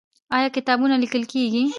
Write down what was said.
آیا کتابونه لیکل کیږي؟